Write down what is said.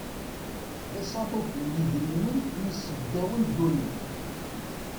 D asaḍuf n yidrimen i yesseddawen ddunit.